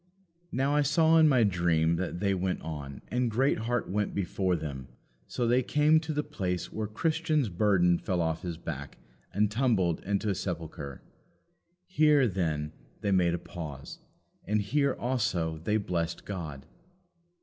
Now I saw in my dream that they went on, and Greatheart went before them, so they came to the place where Christian's burden fell off his back and tumbled into a sepulchre. Here, then, they made a pause, and here also they blessed God.